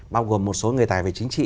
bao gồm một số người tài về chính trị